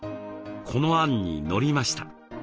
この案に乗りました。